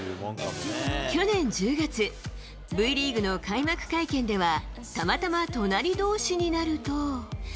去年１０月、Ｖリーグの開幕会見では、たまたま隣どうしになると。